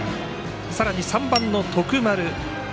さらに３番の徳丸。